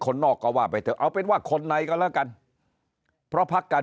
นอกก็ว่าไปเถอะเอาเป็นว่าคนในก็แล้วกันเพราะพักการ